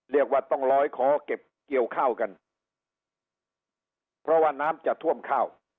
เรียกว่าต้องลอยคอเก็บเกี่ยวข้าวกันเพราะว่าน้ำจะท่วมข้าว